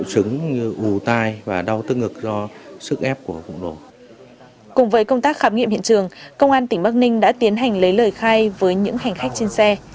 cùng với công tác khám nghiệm hiện trường công an tỉnh bắc ninh đã tiến hành lấy lời khai với những hành khách trên xe